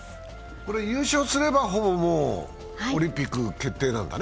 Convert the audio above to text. これ優勝すれば、ほぼオリンピック決定なんだね？